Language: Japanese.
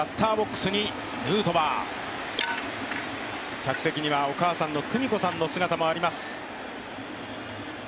客席にはお母さんの久美子さんの姿もあります。